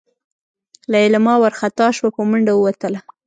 لېلما وارخطا شوه په منډه ووتله.